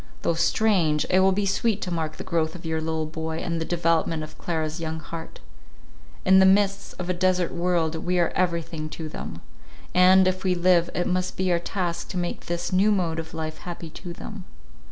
Though strange, it will be sweet to mark the growth of your little boy, and the development of Clara's young heart. In the midst of a desert world, we are everything to them; and, if we live, it must be our task to make this new mode of life happy to them.